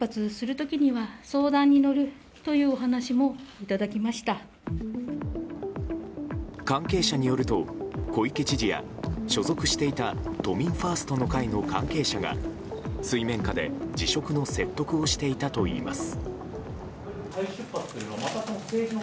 都議会関係者によると小池知事や所属していた都民ファーストの会の関係者が水面下で辞職の説得をしていたといいます。